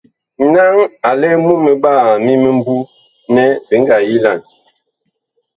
Naŋ a lɛ mumɓaa mi mimbu nɛ bi ngaa yilan.